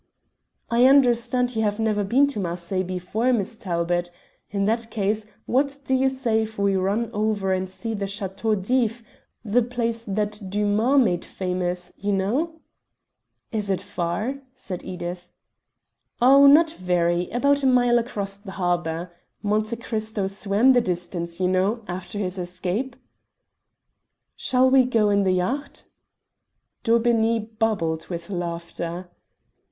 "I understand you have never been to Marseilles before, Miss Talbot. In that case, what do you say if we run over and see the Chateau d'If the place that Dumas made famous, you know?" "Is it far?" said Edith. "Oh, not very; about a mile across the harbour. Monte Cristo swam the distance, you know, after his escape." "Shall we go in the yacht?" Daubeney bubbled with laughter.